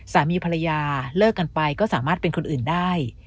สามีภรรยาเลิกกันไปก็สามารถเป็นคนอื่นได้